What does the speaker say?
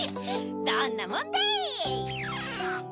どんなもんだい！